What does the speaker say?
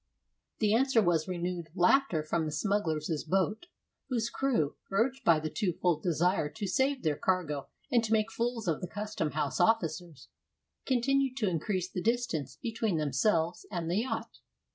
The answer was renewed laughter from the smugglers' boat; whose crew, urged by the twofold desire to save their cargo and to make fools of the Custom house officers, continued to increase the distance between themselves and the yacht.